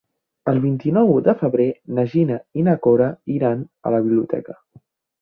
El vint-i-nou de febrer na Gina i na Cora iran a la biblioteca.